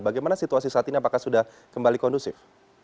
bagaimana situasi saat ini apakah sudah kembali kondusif